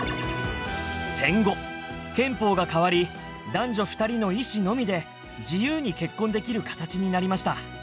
「戦後憲法が変わり男女２人の意思のみで自由に結婚できる形になりました」。